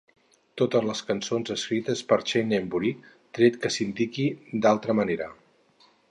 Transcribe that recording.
Totes les cançons escrites per Shane Embury, tret que s'indiqui d'altra manera.